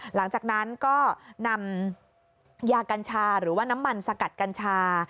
หลังจากนั้นก็นำยากัญชาหรือว่าน้ำมันสกัดกัญชา